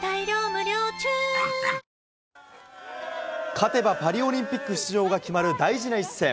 勝てば、パリオリンピック出場が決まる大事な一戦。